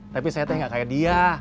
tapi saya teh gak kayak dia